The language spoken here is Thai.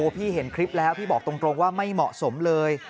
พี่เห็นคลิปแล้วพี่บอกตรงว่าไม่เหมาะสมเลย